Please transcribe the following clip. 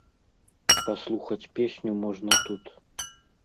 Паслухаць песню можна тут.